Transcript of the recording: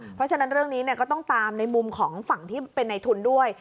เพราะฉะนั้นเรื่องนี้ก็ต้องตามในมุมของฝั่งที่เป็นในทุนด้วย